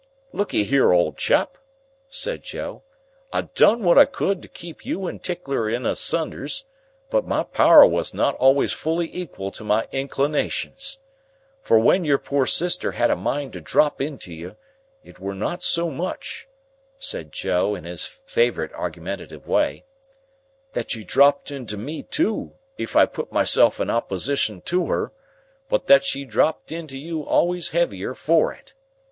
"Lookee here, old chap," said Joe. "I done what I could to keep you and Tickler in sunders, but my power were not always fully equal to my inclinations. For when your poor sister had a mind to drop into you, it were not so much," said Joe, in his favourite argumentative way, "that she dropped into me too, if I put myself in opposition to her, but that she dropped into you always heavier for it.